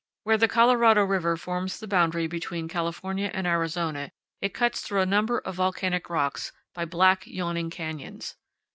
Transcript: Where the Colorado River forms the boundary between California and Arizona it cuts through a number of volcanic rocks by black, yawning canyons.